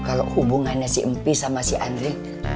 kalau hubungannya si empi sama si andri